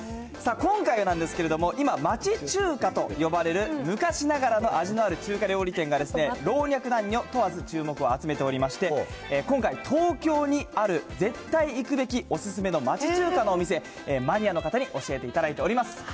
今回なんですけど、今、町中華と呼ばれる昔ながらの味のある中華料理店が、老若男女問わず注目を集めておりまして、今回、東京にある絶対行くべきお勧めの町中華のお店、マニアの方に教えていただいております。